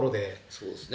そうですね。